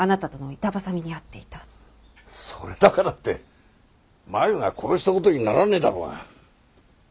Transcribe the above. それだからって麻友が殺した事にならねえだろうが。